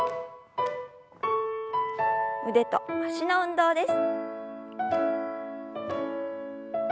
腕と脚の運動です。